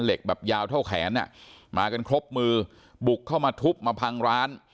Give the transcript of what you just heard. แบบยาวเท่าแขนอ่ะมากันครบมือบุกเข้ามาทุบมาพังร้าน